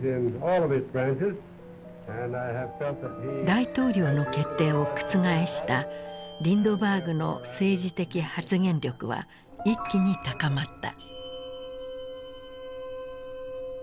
大統領の決定を覆したリンドバーグの政治的発言力は一気に高まった。